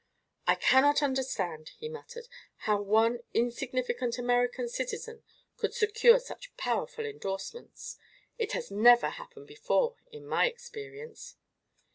"I cannot understand," he muttered, "how one insignificant American citizen could secure such powerful endorsements. It has never happened before in my experience."